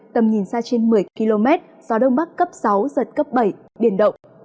tầm nhìn xa trên một mươi km gió đông bắc cấp sáu giật cấp bảy biển động